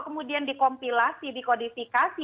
kemudian dikompilasi dikodifikasi